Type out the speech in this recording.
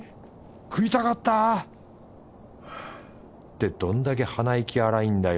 食いたかった！ってどんだけ鼻息荒いんだよ